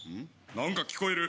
何か聞こえる。